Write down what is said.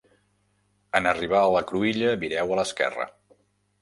En arribar a la cruïlla vireu a l'esquerra.